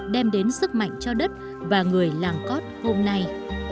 đem đến sức mạnh cho đất và người làng cót hôm nay